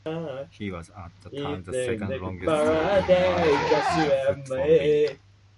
He was at the time the second longest serving manager in the Football League.